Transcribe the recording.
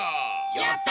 やった！